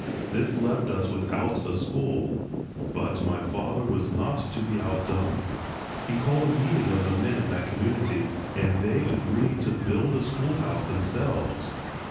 This left us without a school. But my father was not to be outdone. He called a meeting of the men in that community, and they agreed to build a schoolhouse themselves.